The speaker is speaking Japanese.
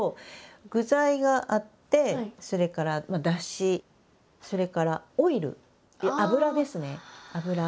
具材があってそれからだしそれからオイル油ですね油。